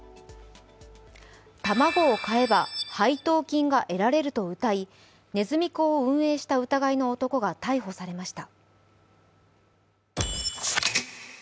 卵を買えば配当金が得られるとうたいねずみ講を運営した疑いの男が逮捕されました。